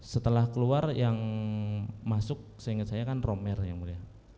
setelah keluar yang masuk seingat saya kan romer yang mulia